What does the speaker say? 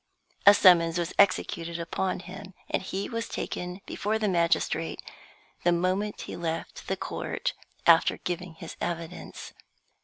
A summons was executed upon him, and he was taken before the magistrate the moment he left the court after giving his evidence.